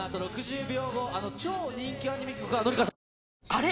あれ？